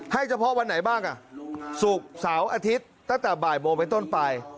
เฉพาะวันไหนบ้างศุกร์เสาร์อาทิตย์ตั้งแต่บ่ายโมงไปต้นไป